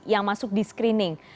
yang masuk di screening